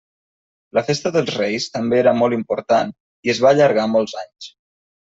La festa dels Reis també era molt important i es va allargar molts anys.